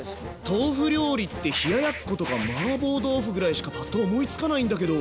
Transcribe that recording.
豆腐料理って冷ややっことかマーボー豆腐ぐらいしかパッと思いつかないんだけど。